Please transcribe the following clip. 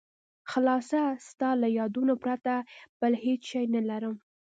خلاصه ستا له یادونو پرته بل هېڅ شی نه لرم.